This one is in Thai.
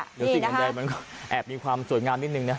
เดี๋ยวสิ่งอันใดมันก็แอบมีความสวยงามนิดนึงนะ